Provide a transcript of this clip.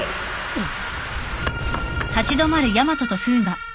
あっ。